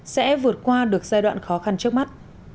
sẽ vượt qua được giai đoạn khó khăn trước mắt